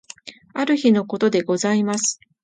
ある日のことでございます。